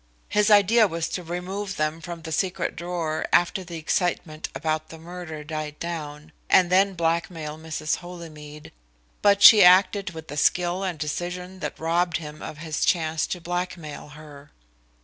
His idea was to remove them from the secret drawer after the excitement about the murder died down, and then blackmail Mrs. Holymead, but she acted with a skill and decision that robbed him of his chance to blackmail her."